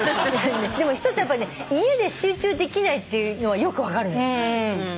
でも一つやっぱりね家で集中できないっていうのはよく分かるのよ。